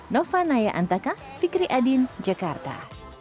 nova naya antaka fikri adin jakarta